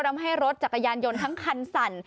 ทำให้รถจักรยานยนต์ทั้งคันสั่น